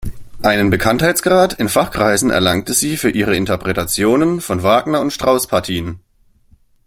Einen Bekanntheitsgrad in Fachkreisen erlangte sie für ihre Interpretationen von Wagner- und Strauss-Partien.